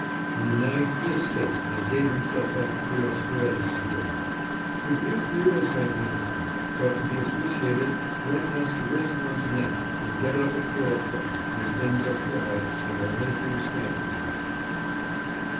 In the night he escaped and gave himself up to the Australians here.... The view here is magnificent, but to be appreciated one has to risk one's neck and get up at four o'clock, when things are quiet and only a few snipers about....